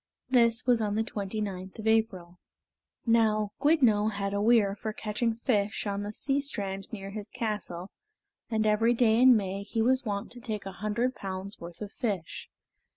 This was on the twenty ninth of April. Now Gwyddno had a weir for catching fish on the sea strand near his castle, and every day in May he was wont to take a hundred pounds' worth of fish.